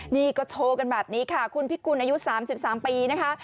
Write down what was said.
นี่ก็โชว์กันแบบนี้ค่ะคุณพิกุลอายุ๓๓ปีนะคะ